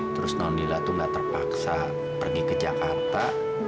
terus non lila tuh gak terpaksa pergi ke jakarta